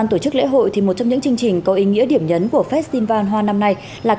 thì một trong những chương trình có ý nghĩa điểm nhấn của festival hoa năm nay